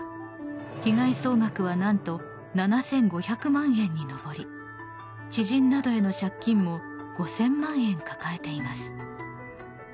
被害総額は何と７５００万円に上り知人などへの借金も５０００万円抱えています。